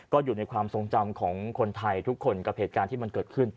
ก็อยู่ในความทรงจำของคนไทยทุกคนกับเหตุการณ์ที่มันเกิดขึ้น